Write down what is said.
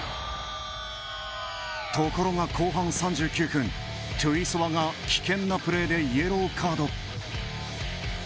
ところが後半３９分テュイソバが危険なプレーでイエローカード。